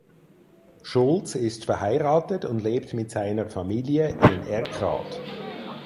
Schultz ist verheiratet und lebt mit seiner Familie in Erkrath.